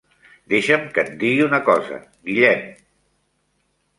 Deixa'm que et digui una cosa, Guillem!